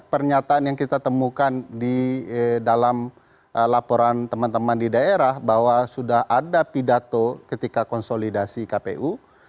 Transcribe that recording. pernyataan yang kita temukan di dalam laporan teman teman di daerah bahwa sudah ada pidato ketika konsolidasi kpu